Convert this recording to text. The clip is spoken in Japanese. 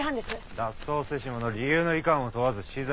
脱走せし者理由のいかんを問わず死罪だ。